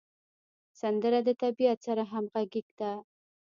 سندره د طبیعت سره همغږې ده